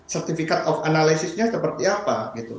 sertifikat analisisnya seperti apa